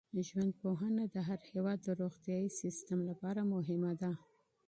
ژوندپوهنه د هر هېواد د روغتیايي سیسټم لپاره مهمه ده.